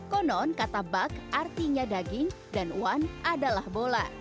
konon kata bak artinya daging dan wan adalah bola